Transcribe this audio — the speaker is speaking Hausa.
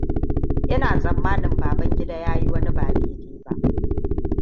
Ina tsammanin Babangidaa yayi wani ba dai-dai ba.